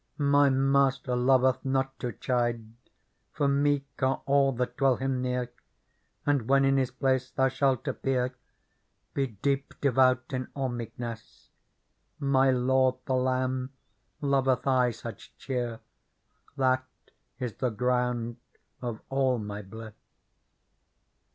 My Master loveth not to chide. For meek are all that dwell Him near ; And when in His place thou shalt appear. Be d££p.xleYout in all meekness ; ^tfy Lord the Lamb; loveth aye such cheer, That^is the ground of all my bliss.